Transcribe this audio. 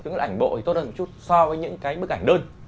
tức là ảnh bộ thì tốt hơn một chút so với những cái bức ảnh đơn